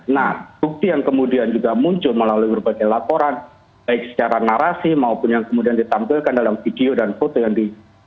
nah bukti yang kemudian juga muncul melalui berbagai laporan baik secara narasi maupun yang kemudian ditampilkan dalam video dan foto yang di